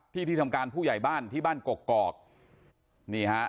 ที่ที่ทำการผู้ใหญ่บ้านที่บ้านกกอกนี่ฮะ